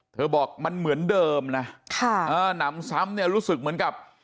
บอกมันเหมือนเดิมนะหนำซ้ำเนี่ยรู้สึกเหมือนกับ